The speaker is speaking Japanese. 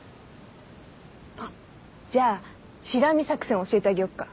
あっじゃあチラ見作戦教えてあげよっか。